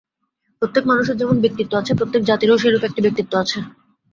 প্রত্যেক মানুষের যেমন ব্যক্তিত্ব আছে, প্রত্যেক জাতিরও সেইরূপ একটি ব্যক্তিত্ব আছে।